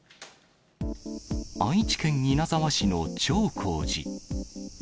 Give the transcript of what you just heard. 愛知県稲沢市の長光寺。